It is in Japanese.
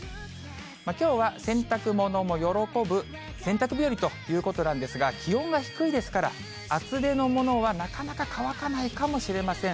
きょうは洗濯物も喜ぶ洗濯日和ということなんですが、気温が低いですから、厚手のものはなかなか乾かないかもしれません。